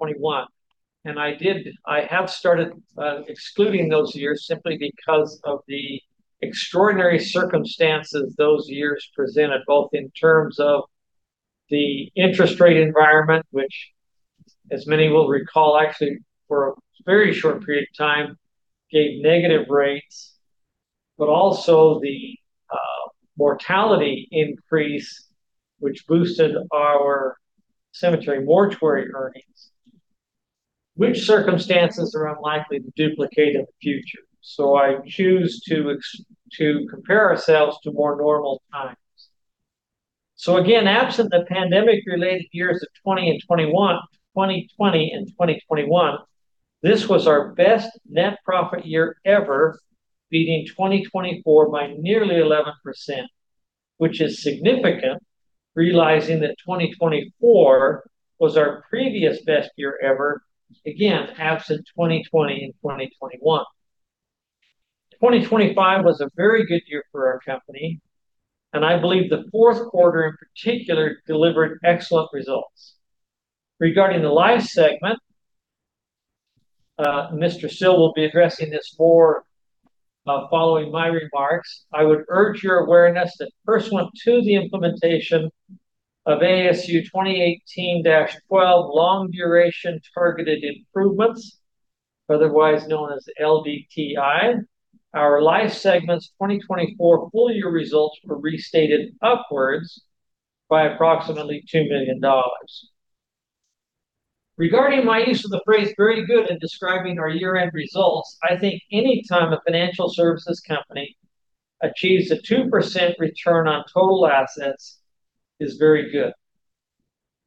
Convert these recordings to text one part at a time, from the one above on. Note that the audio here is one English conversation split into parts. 2021. I have started excluding those years simply because of the extraordinary circumstances those years presented, both in terms of the interest rate environment, which as many will recall, actually for a very short period of time gave negative rates. Also the mortality increase which boosted our Cemetery and Mortuary earnings, which circumstances are unlikely to duplicate in the future. I choose to compare ourselves to more normal times. Again, absent the pandemic-related years of 2020 and 2021, this was our best net profit year ever, beating 2024 by nearly 11%, which is significant realizing that 2024 was our previous best year ever, again, absent 2020 and 2021. 2025 was a very good year for our company, and I believe the fourth quarter, in particular, delivered excellent results. Regarding the Life segment, Mr. Sill will be addressing this more, following my remarks. I would urge your awareness that pursuant to the implementation of ASU 2018-12 Long-Duration Targeted Improvements, otherwise known as LDTI, our Life segment's 2024 full year results were restated upwards by approximately $2 million. Regarding my use of the phrase "very good" in describing our year-end results, I think any time a financial services company achieves a 2% return on total assets is very good.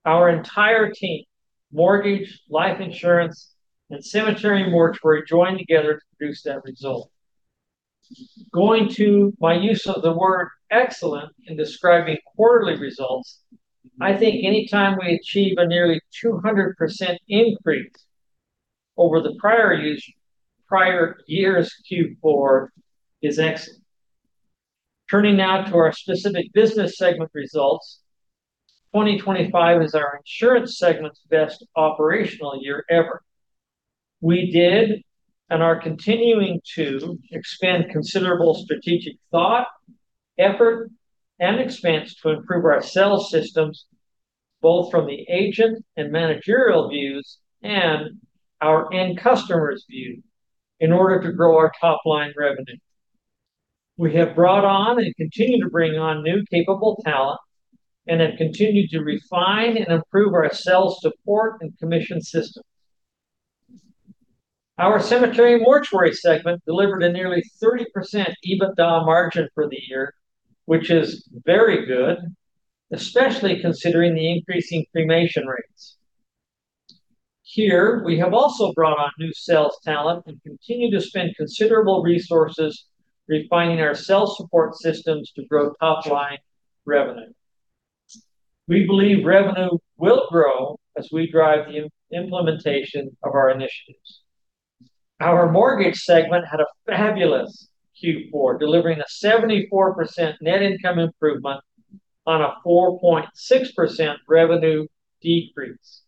Our entire team, Mortgage, Life Insurance, and Cemetery and Mortuary, joined together to produce that result. Going to my use of the word "excellent" in describing quarterly results, I think any time we achieve a nearly 200% increase over the prior year's Q4 is excellent. Turning now to our specific business segment results. 2025 is our Insurance segment's best operational year ever. We did and are continuing to expend considerable strategic thought, effort, and expense to improve our sales systems, both from the agent and managerial views and our end customers' view in order to grow our top-line revenue. We have brought on and continue to bring on new capable talent and have continued to refine and improve our sales support and commission systems. Our Cemetery and Mortuary segment delivered a nearly 30% EBITDA margin for the year, which is very good, especially considering the increasing cremation rates. Here, we have also brought on new sales talent and continue to spend considerable resources refining our sales support systems to grow top-line revenue. We believe revenue will grow as we drive the implementation of our initiatives. Our Mortgage segment had a fabulous Q4, delivering a 74% net income improvement on a 4.6% revenue decrease.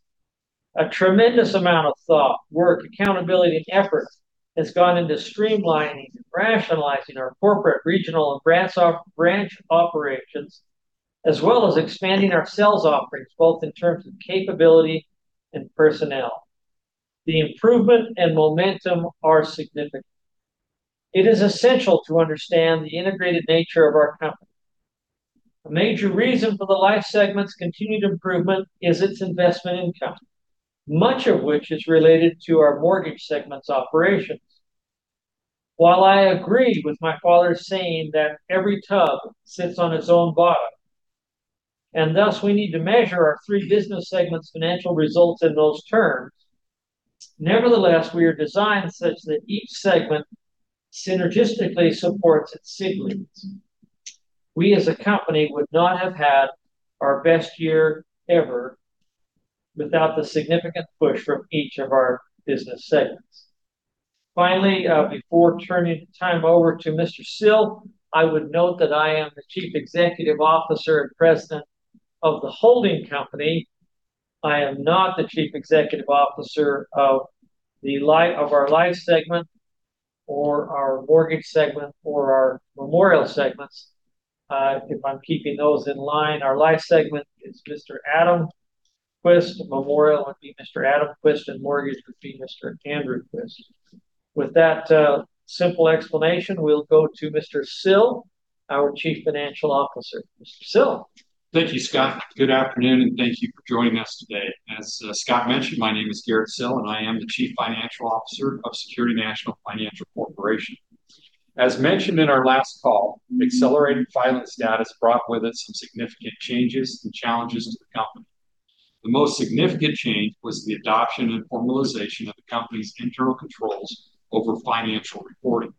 A tremendous amount of thought, work, accountability, and effort has gone into streamlining and rationalizing our corporate, regional, and branch operations, as well as expanding our sales offerings, both in terms of capability and personnel. The improvement and momentum are significant. It is essential to understand the integrated nature of our company. A major reason for the Life segment's continued improvement is its investment income, much of which is related to our Mortgage segment's operations. While I agree with my father's saying that every tub sits on its own bottom, and thus we need to measure our three business segments' financial results in those terms. Nevertheless, we are designed such that each segment synergistically supports its siblings. We, as a company, would not have had our best year ever without the significant push from each of our business segments. Finally, before turning the time over to Mr. Sill, I would note that I am the Chief Executive Officer and President of the holding company. I am not the Chief Executive Officer of our Life segment or our Mortgage segment or our Memorial segments. If I'm keeping those in line, our Life segment is Mr. Adam Quist. Memorial would be Mr. Adam Quist, and Mortgage would be Mr. Andrew Quist. With that, simple explanation, we'll go to Mr. Sill, our Chief Financial Officer. Mr. Sill. Thank you, Scott. Good afternoon, and thank you for joining us today. As Scott mentioned, my name is Garrett Sill, and I am the Chief Financial Officer of Security National Financial Corporation. As mentioned in our last call, accelerated filer status brought with it some significant changes and challenges to the company. The most significant change was the adoption and formalization of the company's internal controls over financial reporting.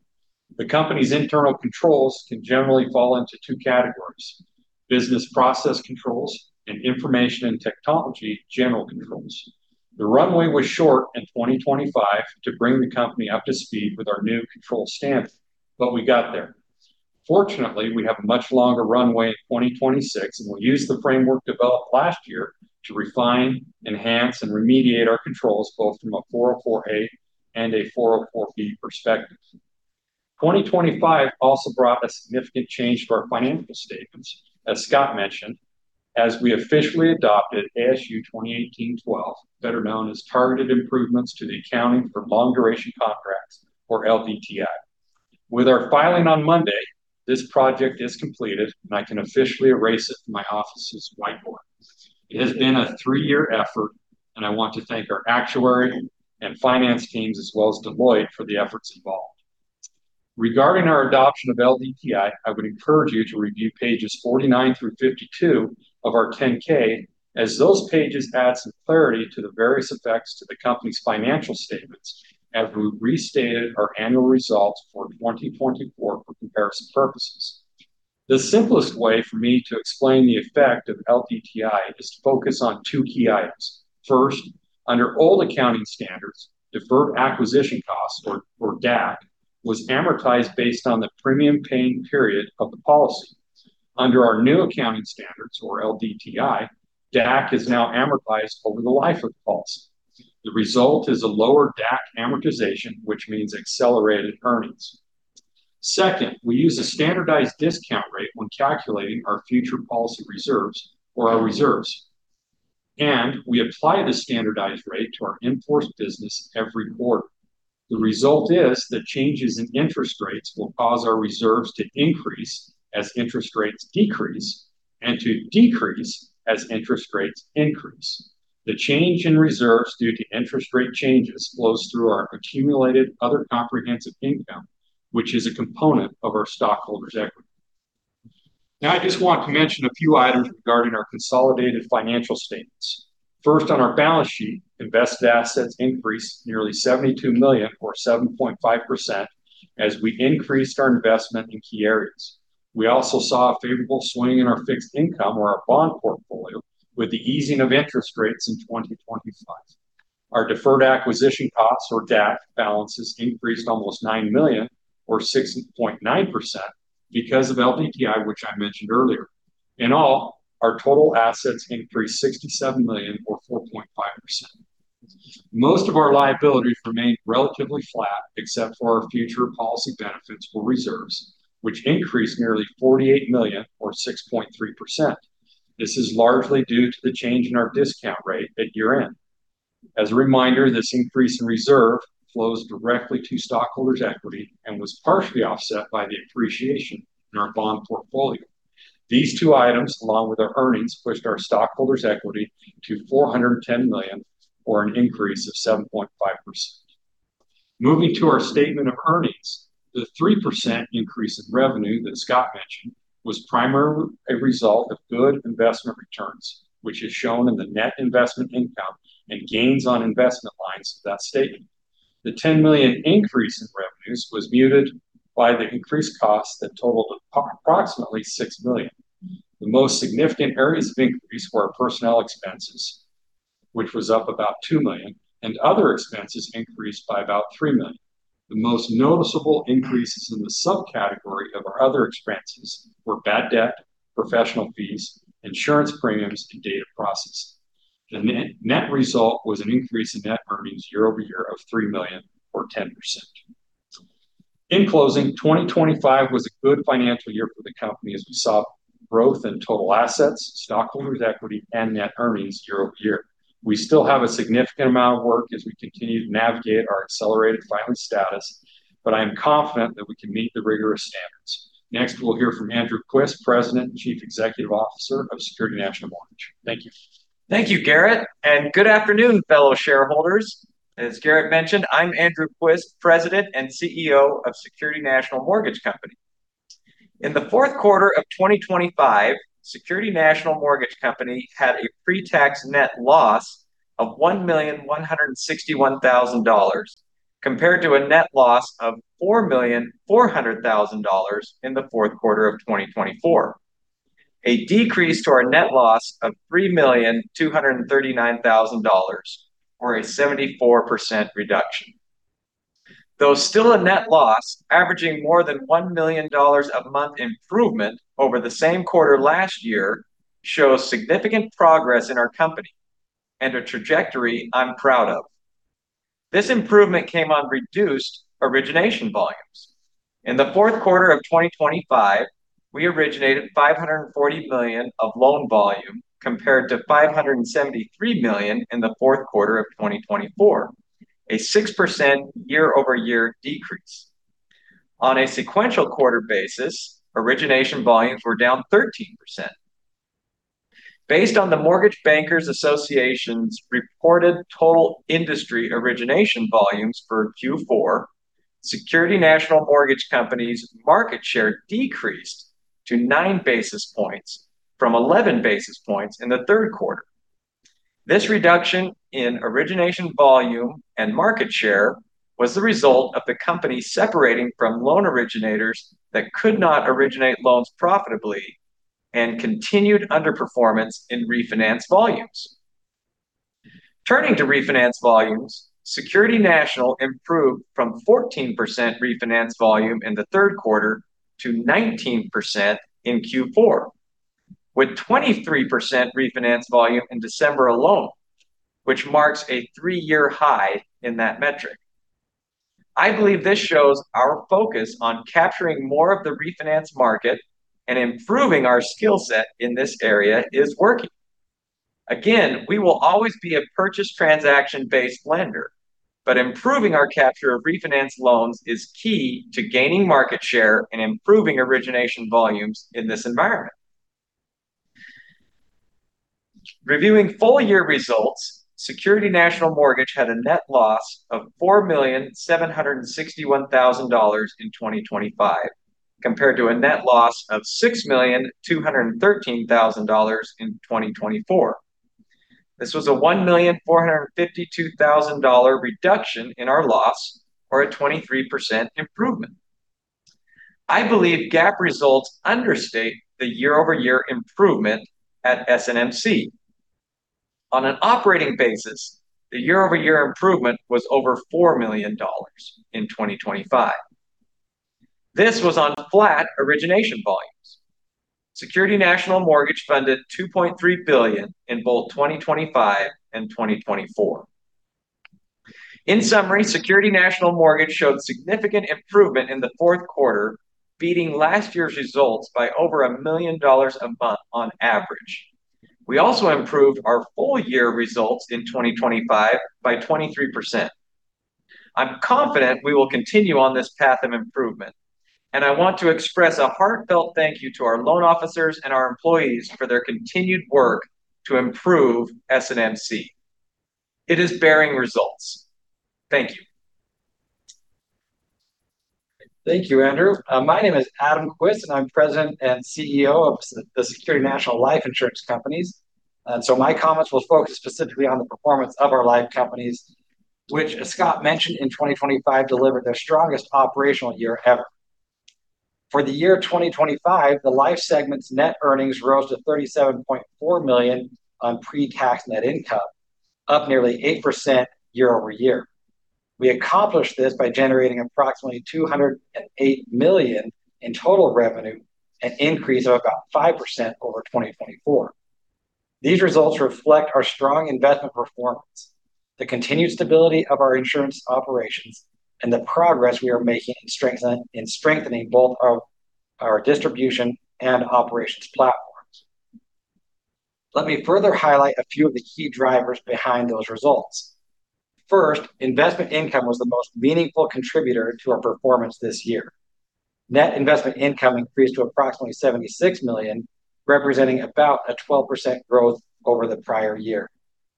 The company's internal controls can generally fall into two categories: business process controls and Information Technology General Controls. The runway was short in 2025 to bring the company up to speed with our new control stance, but we got there. Fortunately, we have a much longer runway in 2026, and we'll use the framework developed last year to refine, enhance, and remediate our controls both from a 404(a) and a 404(b) perspective. 2025 also brought a significant change to our financial statements, as Scott mentioned, as we officially adopted ASU 2018-12, better known as Targeted Improvements to the Accounting for Long-Duration Contracts, or LDTI. With our filing on Monday, this project is completed, and I can officially erase it from my office's whiteboard. It has been a three-year effort, and I want to thank our actuary and finance teams as well as Deloitte for the efforts involved. Regarding our adoption of LDTI, I would encourage you to review pages 49 through 52 of our 10-K, as those pages add some clarity to the various effects to the company's financial statements as we restated our annual results for 2024 for comparison purposes. The simplest way for me to explain the effect of LDTI is to focus on two key items. First, under old accounting standards, deferred acquisition costs, or DAC, was amortized based on the premium paying period of the policy. Under our new accounting standards, or LDTI, DAC is now amortized over the life of the policy. The result is a lower DAC amortization, which means accelerated earnings. Second, we use a standardized discount rate when calculating our future policy reserves or our reserves, and we apply the standardized rate to our in-force business every quarter. The result is that changes in interest rates will cause our reserves to increase as interest rates decrease and to decrease as interest rates increase. The change in reserves due to interest rate changes flows through our accumulated other comprehensive income, which is a component of our stockholders' equity. Now I just want to mention a few items regarding our consolidated financial statements. First, on our balance sheet, invested assets increased nearly $72 million, or 7.5%, as we increased our investment in key areas. We also saw a favorable swing in our fixed income or our bond portfolio with the easing of interest rates in 2025. Our deferred acquisition costs, or DAC, balances increased almost $9 million or 6.9% because of LDTI, which I mentioned earlier. In all, our total assets increased $67 million or 4.5%. Most of our liabilities remained relatively flat, except for our future policy benefits or reserves, which increased nearly $48 million or 6.3%. This is largely due to the change in our discount rate at year-end. As a reminder, this increase in reserve flows directly to stockholders' equity and was partially offset by the appreciation in our bond portfolio. These two items, along with our earnings, pushed our stockholders' equity to $410 million or an increase of 7.5%. Moving to our statement of earnings, the 3% increase in revenue that Scott mentioned was primarily a result of good investment returns, which is shown in the net investment income and gains on investment lines of that statement. The $10 million increase in revenues was muted by the increased costs that totaled approximately $6 million. The most significant areas of increase were personnel expenses, which was up about $2 million, and other expenses increased by about $3 million. The most noticeable increases in the subcategory of our other expenses were bad debt, professional fees, insurance premiums, and data processing. The net result was an increase in net earnings year-over-year of $3 million or 10%. In closing, 2025 was a good financial year for the company as we saw growth in total assets, stockholders' equity, and net earnings year-over-year. We still have a significant amount of work as we continue to navigate our accelerated filer status, but I am confident that we can meet the rigorous standards. Next, we'll hear from Andrew Quist, President and Chief Executive Officer of SecurityNational Mortgage Company. Thank you. Thank you, Garrett, and good afternoon, fellow shareholders. As Garrett mentioned, I'm Andrew Quist, President and CEO of SecurityNational Mortgage Company. In the fourth quarter of 2025, SecurityNational Mortgage Company had a pre-tax net loss of $1,161,000 compared to a net loss of $4,400,000 in the fourth quarter of 2024, a decrease to our net loss of $3,239,000 or a 74% reduction. Though still a net loss, averaging more than $1 million a month improvement over the same quarter last year shows significant progress in our company and a trajectory I'm proud of. This improvement came on reduced origination volumes. In the fourth quarter of 2025, we originated $540 million of loan volume compared to $573 million in the fourth quarter of 2024, a 6% year-over-year decrease. On a sequential quarter basis, origination volumes were down 13%. Based on the Mortgage Bankers Association's reported total industry origination volumes for Q4, SecurityNational Mortgage Company's market share decreased to 9 basis points from 11 basis points in the third quarter. This reduction in origination volume and market share was the result of the company separating from loan originators that could not originate loans profitably and continued underperformance in refinance volumes. Turning to refinance volumes, SecurityNational improved from 14% refinance volume in the third quarter to 19% in Q4, with 23% refinance volume in December alone, which marks a three-year high in that metric. I believe this shows our focus on capturing more of the refinance market and improving our skill set in this area is working. We will always be a purchase transaction-based lender, but improving our capture of refinance loans is key to gaining market share and improving origination volumes in this environment. Reviewing full-year results, SecurityNational Mortgage had a net loss of $4,761,000 in 2025, compared to a net loss of $6,213,000 in 2024. This was a $1,452,000 reduction in our loss or a 23% improvement. I believe GAAP results understate the year-over-year improvement at SNMC. On an operating basis, the year-over-year improvement was over $4 million in 2025. This was on flat origination volumes. SecurityNational Mortgage funded $2.3 billion in both 2025 and 2024. In summary, SecurityNational Mortgage showed significant improvement in the fourth quarter, beating last year's results by over $1 million on average. We also improved our full-year results in 2025 by 23%. I'm confident we will continue on this path of improvement, and I want to express a heartfelt thank you to our loan officers and our employees for their continued work to improve SNMC. It is bearing results. Thank you. Thank you, Andrew. My name is Adam Quist, and I'm President and CEO of the Security National Life Insurance Company. My comments will focus specifically on the performance of our life companies, which as Scott mentioned, in 2025 delivered their strongest operational year ever. For the year 2025, the life segment's net earnings rose to $37.4 million on pre-tax net income, up nearly 8% year-over-year. We accomplished this by generating approximately $208 million in total revenue, an increase of about 5% over 2024. These results reflect our strong investment performance, the continued stability of our insurance operations, and the progress we are making in strengthening both our distribution and operations platforms. Let me further highlight a few of the key drivers behind those results. First, investment income was the most meaningful contributor to our performance this year. Net investment income increased to approximately $76 million, representing about a 12% growth over the prior year.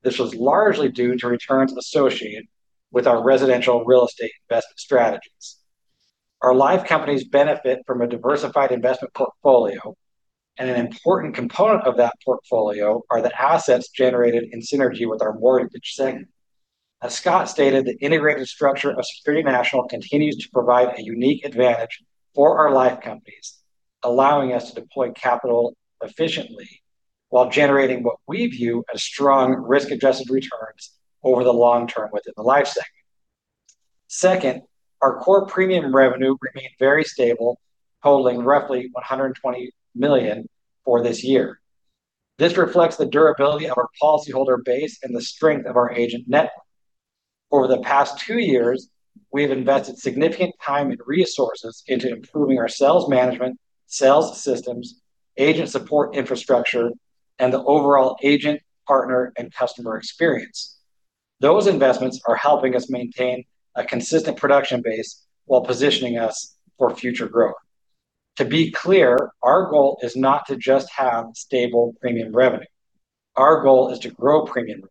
This was largely due to returns associated with our residential real estate investment strategies. Our life companies benefit from a diversified investment portfolio, and an important component of that portfolio are the assets generated in synergy with our mortgage segment. As Scott stated, the integrated structure of Security National continues to provide a unique advantage for our life companies, allowing us to deploy capital efficiently while generating what we view as strong risk-adjusted returns over the long term within the life segment. Second, our core premium revenue remained very stable, totaling roughly $120 million for this year. This reflects the durability of our policyholder base and the strength of our agent network. Over the past two years, we have invested significant time and resources into improving our sales management, sales systems, agent support infrastructure, and the overall agent, partner, and customer experience. Those investments are helping us maintain a consistent production base while positioning us for future growth. To be clear, our goal is not to just have stable premium revenue. Our goal is to grow premium.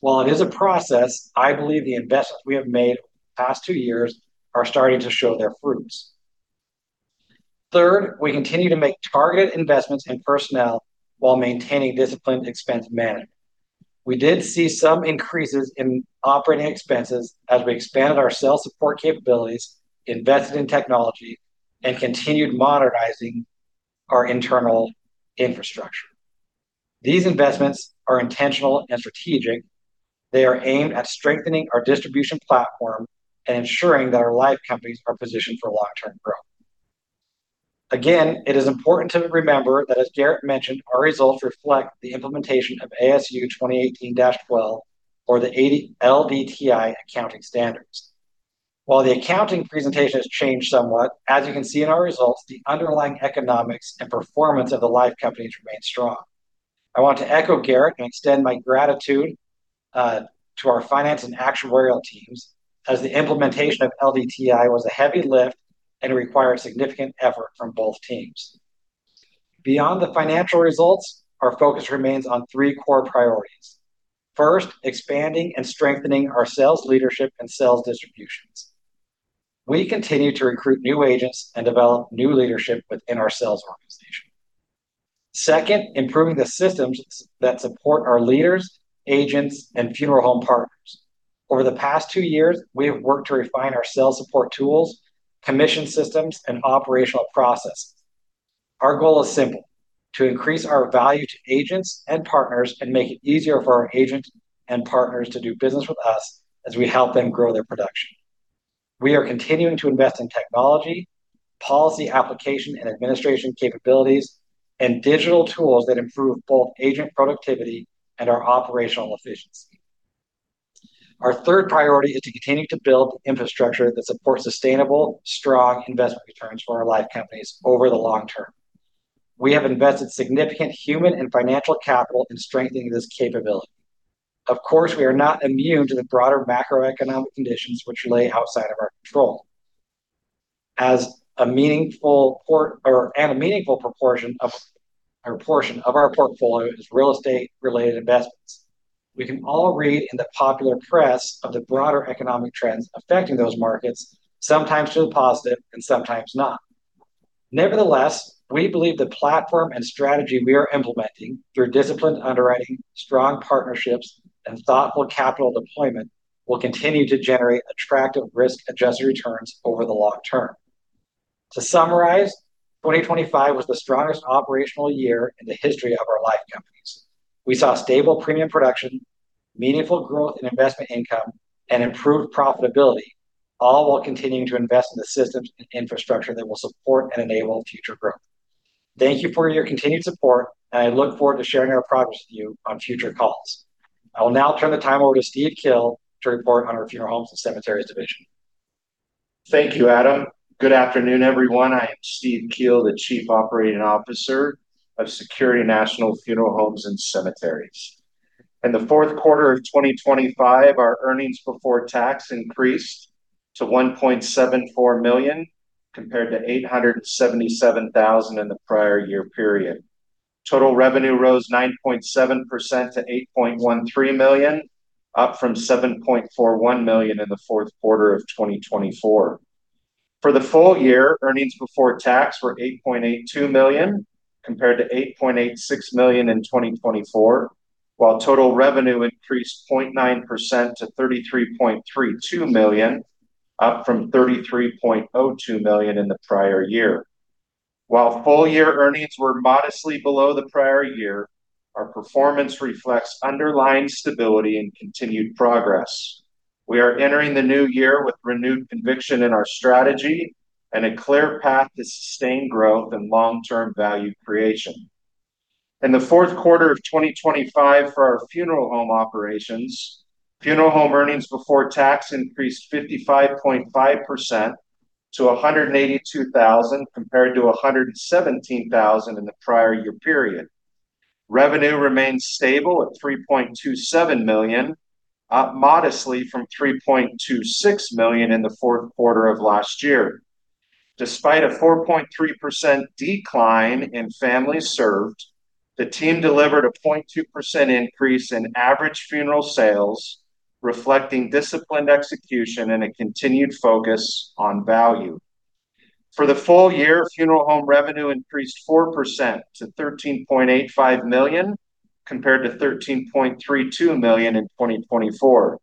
While it is a process, I believe the investments we have made over the past two years are starting to show their fruits. Third, we continue to make targeted investments in personnel while maintaining disciplined expense management. We did see some increases in operating expenses as we expanded our sales support capabilities, invested in technology, and continued modernizing our internal infrastructure. These investments are intentional and strategic. They are aimed at strengthening our distribution platform and ensuring that our life companies are positioned for long-term growth. Again, it is important to remember that, as Garrett mentioned, our results reflect the implementation of ASU 2018-12 or the LDTI accounting standards. While the accounting presentation has changed somewhat, as you can see in our results, the underlying economics and performance of the life companies remain strong. I want to echo Garrett and extend my gratitude to our finance and actuarial teams as the implementation of LDTI was a heavy lift and required significant effort from both teams. Beyond the financial results, our focus remains on three core priorities. First, expanding and strengthening our sales leadership and sales distributions. We continue to recruit new agents and develop new leadership within our sales organization. Second, improving the systems that support our leaders, agents, and funeral home partners. Over the past two years, we have worked to refine our sales support tools, commission systems, and operational processes. Our goal is simple: to increase our value to agents and partners and make it easier for our agents and partners to do business with us as we help them grow their production. We are continuing to invest in technology, policy application and administration capabilities, and digital tools that improve both agent productivity and our operational efficiency. Our third priority is to continue to build infrastructure that supports sustainable, strong investment returns for our life companies over the long term. We have invested significant human and financial capital in strengthening this capability. Of course, we are not immune to the broader macroeconomic conditions which lie outside of our control. As a meaningful portion of our portfolio is real estate-related investments. We can all read in the popular press of the broader economic trends affecting those markets, sometimes to a positive and sometimes not. Nevertheless, we believe the platform and strategy we are implementing through disciplined underwriting, strong partnerships, and thoughtful capital deployment will continue to generate attractive risk-adjusted returns over the long term. To summarize, 2025 was the strongest operational year in the history of our life companies. We saw stable premium production, meaningful growth in investment income, and improved profitability, all while continuing to invest in the systems and infrastructure that will support and enable future growth. Thank you for your continued support, and I look forward to sharing our progress with you on future calls. I will now turn the time over to Steve Kehl to report on our funeral homes and cemeteries division. Thank you, Adam. Good afternoon, everyone. I am Steve Kehl, the Chief Operating Officer of Security National Funeral Homes and Cemeteries. In the fourth quarter of 2025, our earnings before tax increased to $1.74 million, compared to $877,000 in the prior year period. Total revenue rose 9.7% to $8.13 million, up from $7.41 million in the fourth quarter of 2024. For the full year, earnings before tax were $8.82 million, compared to $8.86 million in 2024, while total revenue increased 0.9% to $33.32 million, up from $33.02 million in the prior year. While full year earnings were modestly below the prior year, our performance reflects underlying stability and continued progress. We are entering the new year with renewed conviction in our strategy and a clear path to sustained growth and long-term value creation. In the fourth quarter of 2025 for our funeral home operations, funeral home earnings before tax increased 55.5% to $182,000 compared to $117,000 in the prior year period. Revenue remained stable at $3.27 million, up modestly from $3.26 million in the fourth quarter of last year. Despite a 4.3% decline in families served, the team delivered a 0.2% increase in average funeral sales, reflecting disciplined execution and a continued focus on value. For the full year, funeral home revenue increased 4% to $13.85 million, compared to $13.32 million in 2024.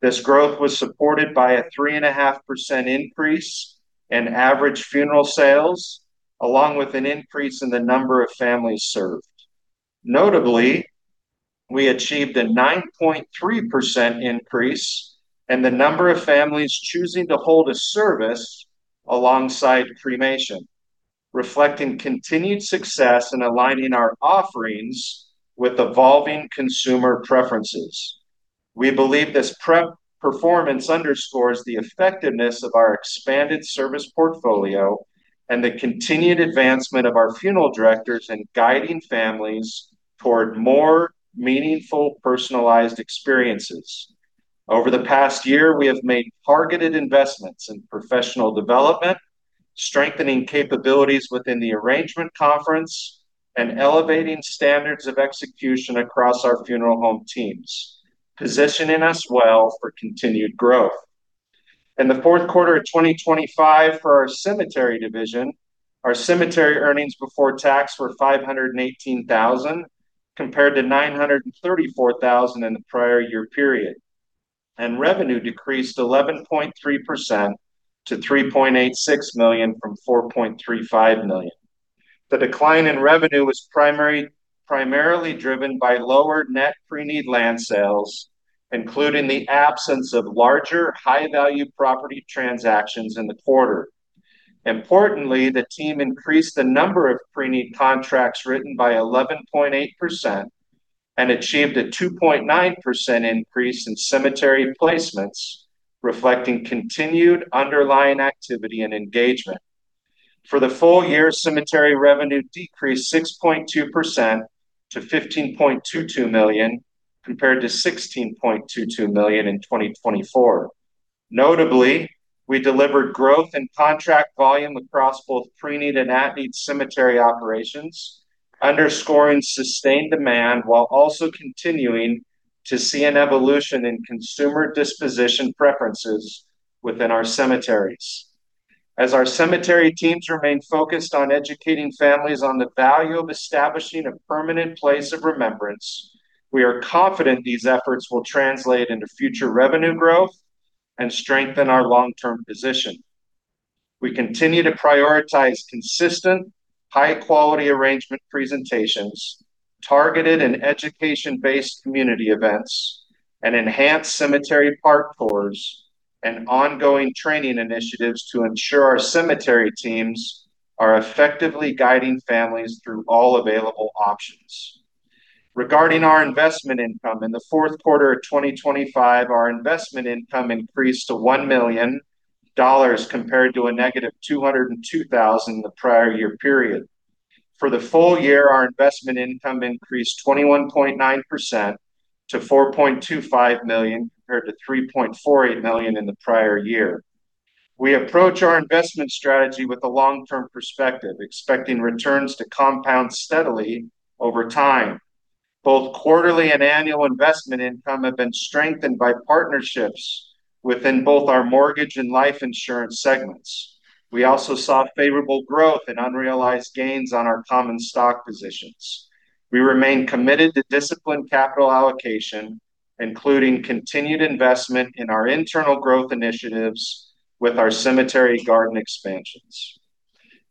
This growth was supported by a 3.5% increase in average funeral sales, along with an increase in the number of families served. Notably, we achieved a 9.3% increase in the number of families choosing to hold a service alongside cremation, reflecting continued success in aligning our offerings with evolving consumer preferences. We believe this performance underscores the effectiveness of our expanded service portfolio and the continued advancement of our funeral directors in guiding families toward more meaningful, personalized experiences. Over the past year, we have made targeted investments in professional development, strengthening capabilities within the arrangement conference, and elevating standards of execution across our funeral home teams, positioning us well for continued growth. In the fourth quarter of 2025 for our cemetery division, our cemetery earnings before tax were $518,000, compared to $934,000 in the prior year period, and revenue decreased 11.3% to $3.86 million from $4.35 million. The decline in revenue was primarily driven by lower net pre-need land sales, including the absence of larger, high-value property transactions in the quarter. Importantly, the team increased the number of pre-need contracts written by 11.8% and achieved a 2.9% increase in cemetery placements, reflecting continued underlying activity and engagement. For the full year, cemetery revenue decreased 6.2% to $15.22 million, compared to $16.22 million in 2024. Notably, we delivered growth in contract volume across both pre-need and at-need cemetery operations, underscoring sustained demand while also continuing to see an evolution in consumer disposition preferences within our cemeteries. As our cemetery teams remain focused on educating families on the value of establishing a permanent place of remembrance, we are confident these efforts will translate into future revenue growth and strengthen our long-term position. We continue to prioritize consistent high-quality arrangement presentations, targeted and education-based community events, and enhanced cemetery park tours and ongoing training initiatives to ensure our cemetery teams are effectively guiding families through all available options. Regarding our investment income, in the fourth quarter of 2025, our investment income increased to $1 million compared to a negative $202,000 in the prior year period. For the full year, our investment income increased 21.9% to $4.25 million compared to $3.48 million in the prior year. We approach our investment strategy with a long-term perspective, expecting returns to compound steadily over time. Both quarterly and annual investment income have been strengthened by partnerships within both our mortgage and life insurance segments. We also saw favorable growth in unrealized gains on our common stock positions. We remain committed to disciplined capital allocation, including continued investment in our internal growth initiatives with our cemetery garden expansions.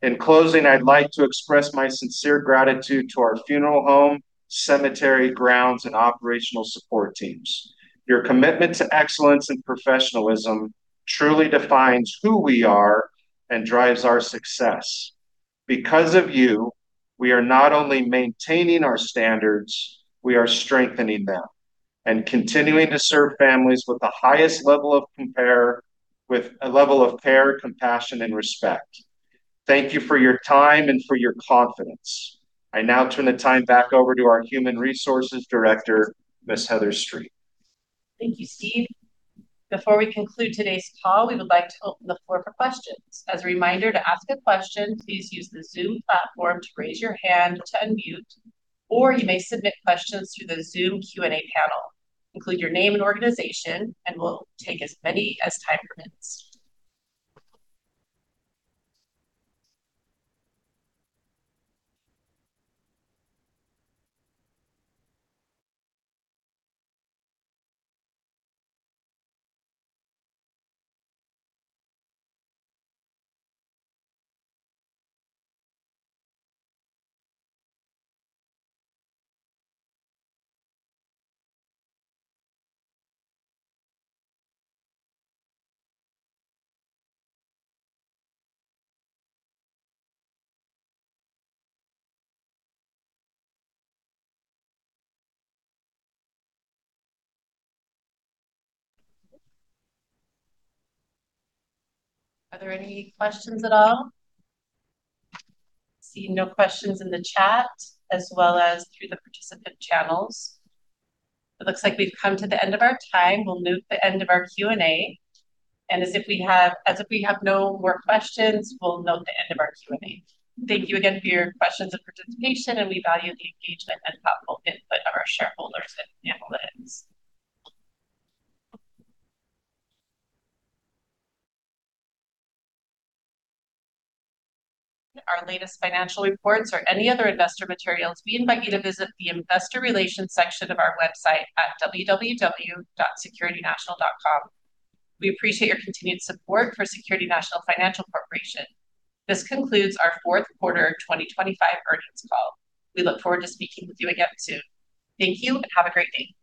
In closing, I'd like to express my sincere gratitude to our funeral home, cemetery grounds, and operational support teams. Your commitment to excellence and professionalism truly defines who we are and drives our success. Because of you, we are not only maintaining our standards, we are strengthening them and continuing to serve families with the highest level of care, compassion, and respect. Thank you for your time and for your confidence. I now turn the time back over to our Human Resources Director, Ms. Heather Street. Thank you, Steve. Before we conclude today's call, we would like to open the floor for questions. As a reminder, to ask a question, please use the Zoom platform to raise your hand to unmute, or you may submit questions through the Zoom Q&A panel. Include your name and organization, and we'll take as many as time permits. Are there any questions at all? I see no questions in the chat as well as through the participant channels. It looks like we've come to the end of our time. We'll note the end of our Q&A. As if we have no more questions, we'll note the end of our Q&A. Thank you again for your questions and participation, and we value the engagement and thoughtful input of our shareholders at panel events. Our latest financial reports or any other investor materials, we invite you to visit the investor relations section of our website at www.securitynational.com. We appreciate your continued support for Security National Financial Corporation. This concludes our fourth quarter 2025 earnings call. We look forward to speaking with you again soon. Thank you and have a great day.